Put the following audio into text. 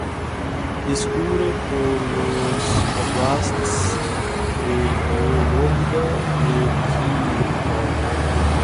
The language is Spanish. Discurre por los "óblasts" de Vólogda y Kírov.